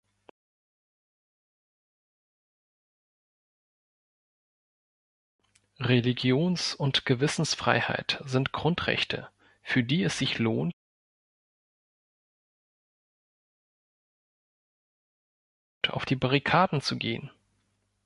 Religions- und Gewissensfreiheit sind Grundrechte, für die es sich lohnt, auf die Barrikaden zu gehen.